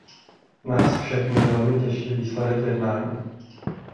Nás všechny velmi těší výsledek jednání.